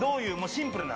シンプルな？